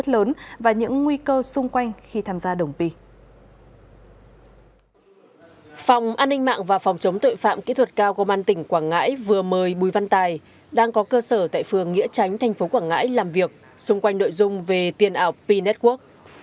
phòng an ninh mạng và phòng chống tội phạm kỹ thuật cao công an tỉnh quảng ngãi vừa mời bùi văn tài đang có cơ sở tại phường nghĩa tránh thành phố quảng ngãi làm việc xung quanh nội dung về tiền ảo p network